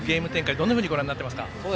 どのようにご覧になっていますか。